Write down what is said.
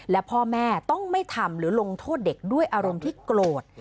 และพ่อแม่ต้องไม่ทำหรือลงโทษเด็กด้วยอารมณ์ที่โกรธ